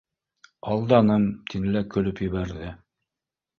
Алданым, — тине лә көлөп ебәрҙе.